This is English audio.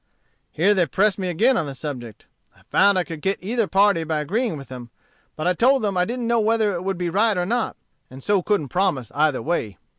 Here they pressed me again on the subject. I found I could get either party by agreeing with them. But I told them I didn't know whether it would be right or not, and so couldn't promise either way."